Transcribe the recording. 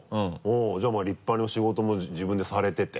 じゃあまぁ立派に仕事も自分でされてて。